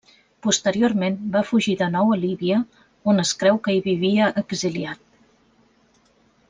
Posteriorment va fugir de nou a Líbia, on es creu que hi vivia exiliat.